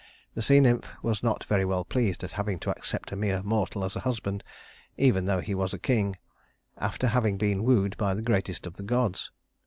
The sea nymph was not very well pleased at having to accept a mere mortal as a husband, even though he was a king, after having been wooed by the greatest of the gods.